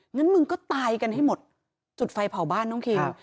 งั้นมึงก็ตายกันให้หมดจุดไฟเผาบ้านน้องคิง